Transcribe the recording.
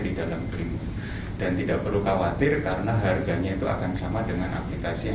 di dalam brimo dan tidak perlu khawatir karena harganya itu akan sama dengan aplikasi yang